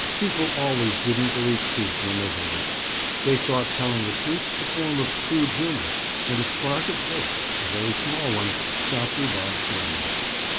People always didn't believe truth when they heard it. They thought telling the truth a form of crude humor, and a spark of hope a very small one—shot through Bob's brain.